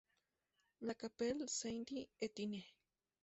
La Chapelle-Saint-Étienne